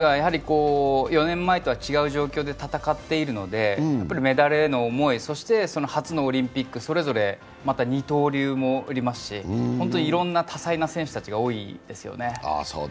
それぞれの選手が４年前とは違う状況で戦っているので、メダルへの思い、そして初のオリンピック、それぞれ、二刀流もおりますし、いろんな多才な選手たちが多いですよね。